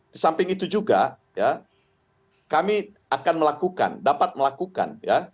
di samping itu juga ya kami akan melakukan dapat melakukan ya